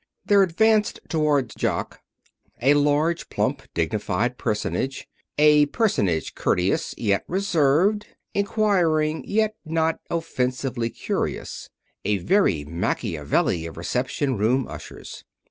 There advanced toward Jock a large, plump, dignified personage, a personage courteous, yet reserved, inquiring, yet not offensively curious a very Machiavelli of reception room ushers.